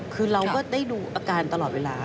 คือเราก็ได้ดูอาการตลอดเวลา